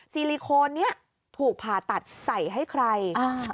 ซิลิโคนนี้ถูกผ่าตัดใส่ให้ใครอ่า